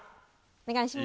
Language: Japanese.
お願いします。